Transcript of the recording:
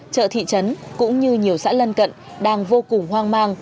chợ thị trấn cũng như nhiều xã lân cận đang vô cùng hoang mang